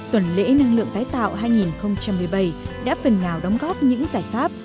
tuần lễ năng lượng tái tạo hai nghìn một mươi bảy đã phần nào đóng góp những giải pháp